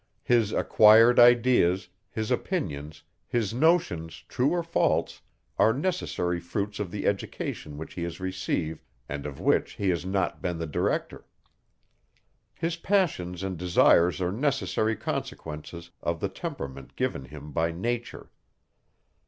His acquired ideas, his opinions, his notions true or false, are necessary fruits of the education which he has received, and of which he has not been the director. His passions and desires are necessary consequences of the temperament given him by nature.